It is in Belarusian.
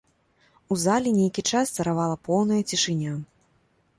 У залі нейкі час царавала поўная цішыня.